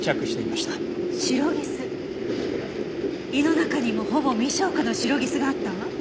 胃の中にもほぼ未消化のシロギスがあったわ。